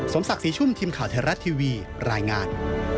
ศักดิ์ศรีชุ่มทีมข่าวไทยรัฐทีวีรายงาน